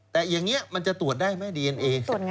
แต่อย่างนี้มันจะตรวจได้ไหมดีเอ็นเอ